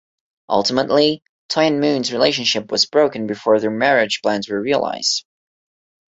Ultimately, Toy and Moon's relationship was broken before their marriage plans were realized.